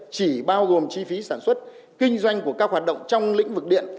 chỉ bao gồm chi phí sản xuất kinh doanh của các hoạt động trong lĩnh vực điện